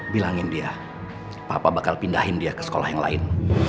bilangin dia papa bakal pindahin dia ke sekolah yang lain